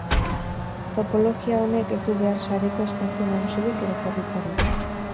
Topologia honek ez du behar sareko estazio nagusirik edo zerbitzaririk.